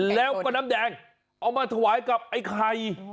แล้วก็น้ำแดงเอามาถวายกับไอ้ไข่